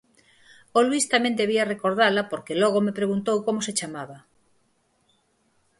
O Luís tamén debía recordala porque logo me preguntou como se chamaba.